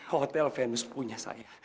hotel venus punya saya